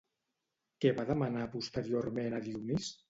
Què va demanar posteriorment a Dionís?